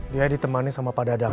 dia ditemani sama pak dadang